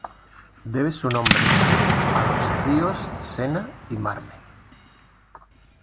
Debe su nombre a los ríos Sena y Marne.